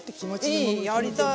いい？やりたい！